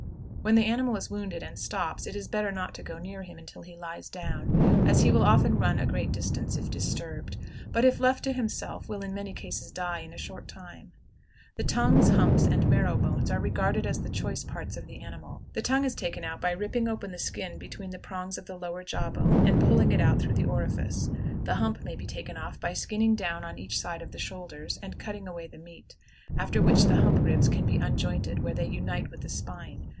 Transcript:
When the animal is wounded, and stops, it is better not to go near him until he lies down, as he will often run a great distance if disturbed; but if left to himself, will in many cases die in a short time. The tongues, humps, and marrow bones are regarded as the choice parts of the animal. The tongue is taken out by ripping open the skin between the prongs of the lower jaw bone and pulling it out through the orifice. The hump may be taken off by skinning down on each side of the shoulders and cutting away the meat, after which the hump ribs can be unjointed where they unite with the spine.